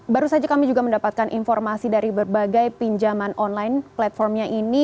baru saja kami juga mendapatkan informasi dari berbagai pinjaman online platformnya ini